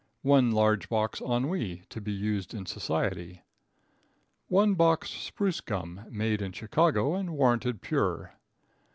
1 Large Box Ennui, to be used in Society. 1 Box Spruce Gum, made in Chicago and warranted pure.